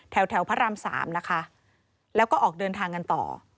แถวแถวพระรามสามนะคะแล้วก็ออกเดินทางกันต่อ